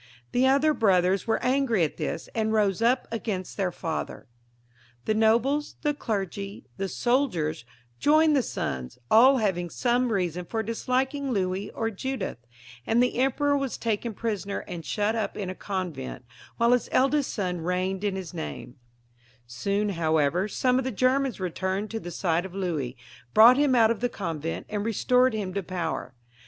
The other brothers were angry at this, and rose up against their father. The nobles, the clergy, the soldiers, joined the sons, aU having some reason for disliking Louis or Judith, and the emperor was taken prisoner and shut up in a convent, while his eldest son reigned in his nama Soon, however, some of the Germans returned to the side of Louis, brought him out of the convent, and restored him to power.